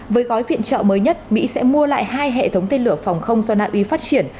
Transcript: với gói viện trợ mới nhất mỹ sẽ mua lại hai hệ thống tên lửa phòng không do naui phát triển